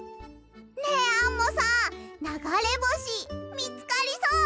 ねえアンモさんながれぼしみつかりそう？